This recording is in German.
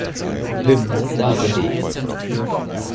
Hymne dargelegt.